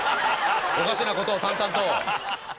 おかしな事を淡々と。